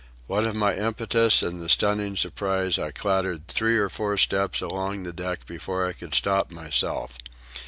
What of my impetus and the stunning surprise, I clattered three or four steps along the deck before I could stop myself.